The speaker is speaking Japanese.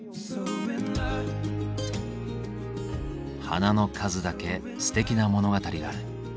花の数だけすてきな物語がある。